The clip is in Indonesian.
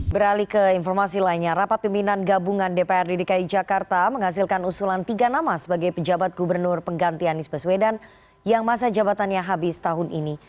beralih ke informasi lainnya rapat pimpinan gabungan dprd dki jakarta menghasilkan usulan tiga nama sebagai pejabat gubernur pengganti anies baswedan yang masa jabatannya habis tahun ini